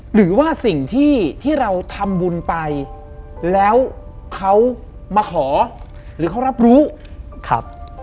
หรือว่าสิ่งที่ที่เราทำบุญไปแล้วเขามาขอหรือเขารับรู้ครับ